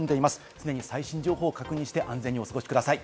常に最新情報を確認して安全にお過ごしください。